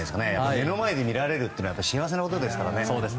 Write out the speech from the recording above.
目の前で見られるというのは幸せなことですからね。